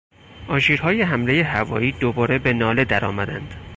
آژیرهای حملهی هوایی دوباره به ناله درآمدند.